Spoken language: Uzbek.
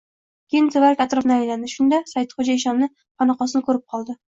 Keyin, tevarak-atrofni aylandi. Shunda, Saidxo‘ja eshonni xonaqosini ko‘rib qoldi.